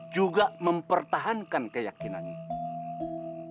juga mempertahankan keyakinannya